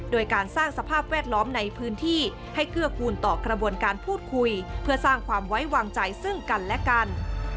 โดยการสร้างสภาพแวดล้อมในพื้นที่ให้เกื้อกูลต่อกระบวนการพูดคุยเพื่อสร้างความไว้วางใจซึ่งกันและกัน